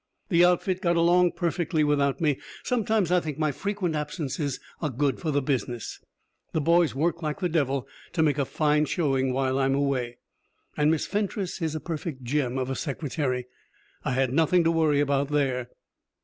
The outfit got along perfectly without me; sometimes I think my frequent absences are good for the business. The boys work like the devil to make a fine showing while I'm away. And Miss Fentress is a perfect gem of a secretary. I had nothing to worry about there.